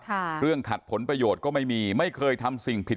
เรื่องขัดผลประโยชน์ก็ไม่มีไม่เคยทำสิ่งผิด